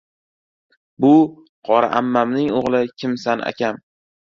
Bu - «Qora ammam»ning o‘g‘li - Kimsan akam.